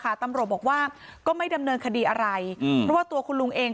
ตำรวจบอกว่าก็ไม่ดำเนินคดีอะไรอืมเพราะว่าตัวคุณลุงเอง